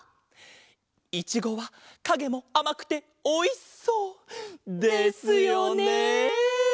いちごはかげもあまくておいしそう！ですよね！